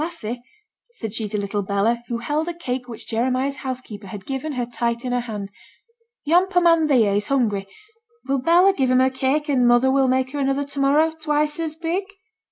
'Lassie,' said she to little Bella, who held a cake which Jeremiah's housekeeper had given her tight in her hand, 'yon poor man theere is hungry; will Bella give him her cake, and mother will make her another to morrow twice as big?'